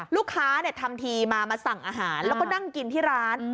ลูกค้าทำทีมามาสั่งอาหารแล้วก็นั่งกินที่ร้าน